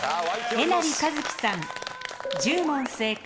えなりかずきさん１０問正解。